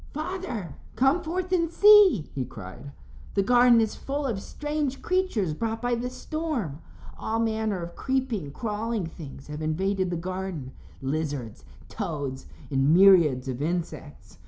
"Father, come forth and see," he cried. "The garden is full of strange creatures brought by the storm. All manner of creeping, crawling things have invaded the garden lizards, toads, and myriads of insects.